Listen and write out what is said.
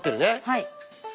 はい。